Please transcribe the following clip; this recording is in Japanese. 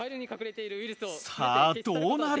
さあどうなる？